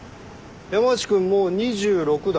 山内君もう２６だろ？